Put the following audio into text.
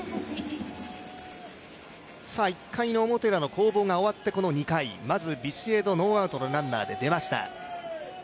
１回表ウラの攻防が終わっての２回、まずビシエド、ノーアウトのランナーで出ました。